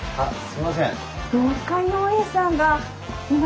すいません。